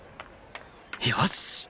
よし！